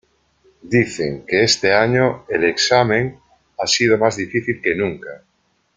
Dicen que este año el exámen ha sido más difícil que nunca.